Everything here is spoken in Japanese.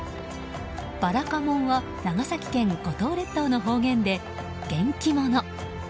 「ばらかもん」は長崎県五島列島の方言で元気者。